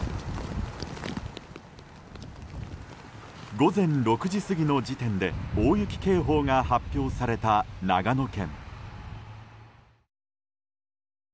午前６時過ぎの時点で大雪警報が発表された長野県。